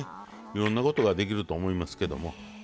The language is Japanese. いろんなことができると思いますけども。